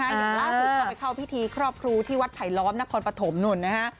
อย่างล่าสุดก็ไปเข้าพิธีครอบครูที่วัดไผลล้อมนครปฐมนู่นนะฮะ